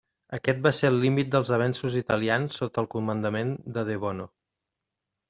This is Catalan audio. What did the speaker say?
Aquest va ser el límit dels avenços italians sota el comandament de De Bono.